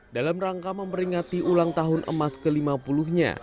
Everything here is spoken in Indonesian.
dalam rangka memperingati ulang tahun emas ke lima puluh nya